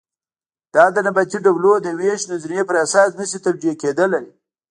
دا د نباتي ډولونو د وېش نظریې پر اساس نه شي توجیه کېدلی.